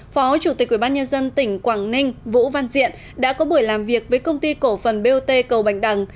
phó chủ tịch ubnd tỉnh quảng ninh vũ văn diện đã có buổi làm việc với công ty cổ phần bot cầu bạch đằng